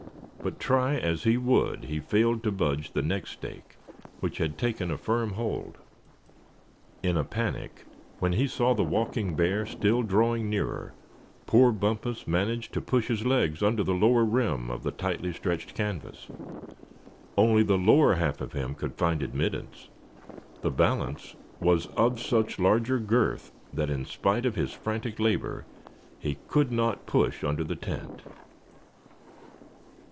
But try as he would he failed to budge the next stake, which had taken a firm hold. In a panic, when he saw the walking bear still drawing nearer, poor Bumpus managed to push his legs under the lower rim of the tightly stretched canvas. Only the lower half of him could find admittance; the balance was of such larger girth that in spite of his frantic labor he could not push under the tent.